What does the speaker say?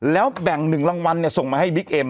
แล้วแบ่ง๑รางวัลส่งมาให้บิ๊กเอ็ม